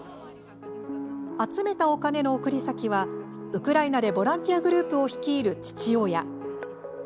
集めたお金の送り先はウクライナでボランティアグループを率いる父親。